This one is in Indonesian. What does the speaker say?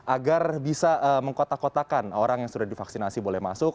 agar bisa mengkotak kotakan orang yang sudah divaksinasi boleh masuk